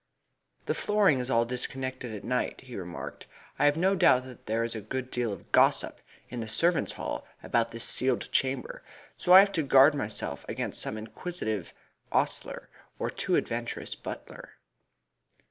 "This flooring is all disconnected at night," he remarked. "I have no doubt that there is a good deal of gossip in the servants' hall about this sealed chamber, so I have to guard myself against some inquisitive ostler or too adventurous butler."